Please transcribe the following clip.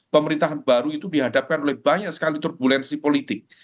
pemerintahan baru itu dihadapkan oleh banyak sekali turbulensi politik